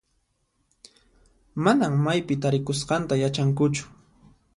Manan maypi tarikusqanta yachankuchu.